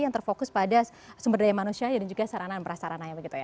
yang terfokus pada sumber daya manusia dan juga saranan perasaran